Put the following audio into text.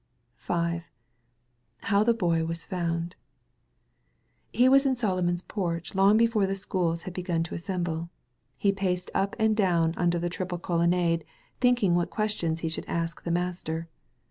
HOW THE BOY WAS POUND He was in Solomon's Porch long before the schools had begun to assemble. He paced up and down under the triple colonnade, thinking what questions he should ask the master.